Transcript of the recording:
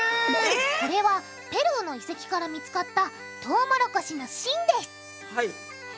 これはペルーの遺跡から見つかったトウモロコシの芯ですはい。